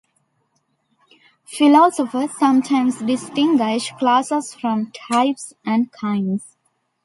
Philosophers sometimes distinguish classes from types and kinds.